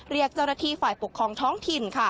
เรียกเจ้าหน้าที่ฝ่ายปกครองท้องถิ่น